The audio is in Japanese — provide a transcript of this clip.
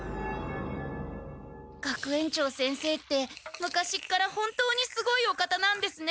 学園長先生って昔っから本当にすごいお方なんですね。